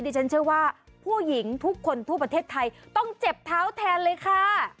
ฉันเชื่อว่าผู้หญิงทุกคนทั่วประเทศไทยต้องเจ็บเท้าแทนเลยค่ะ